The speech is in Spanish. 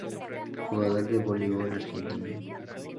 Jugador de voleibol argentino.